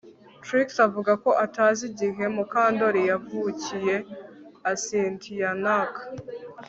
Trix avuga ko atazi igihe Mukandoli yavukiye astynk